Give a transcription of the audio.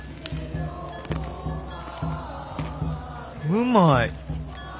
うまい！